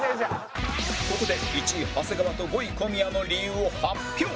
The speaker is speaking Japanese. ここで１位長谷川と５位小宮の理由を発表